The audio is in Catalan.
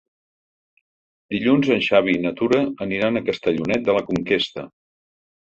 Dilluns en Xavi i na Tura aniran a Castellonet de la Conquesta.